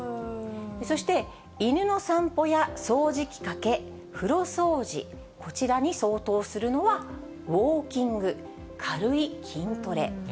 そして犬の散歩や掃除機かけ、風呂掃除、こちらに相当するのはウォーキング、軽い筋トレ。